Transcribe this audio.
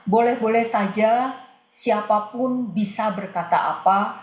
boleh boleh saja siapapun bisa berkata apa